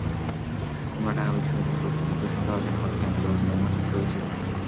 আমরা ঢাকা বিশ্ববিদ্যালয় কর্তৃপক্ষের সঙ্গে আলোচনা করে কেন্দ্র ব্যবস্থাপনা ঠিক করেছি।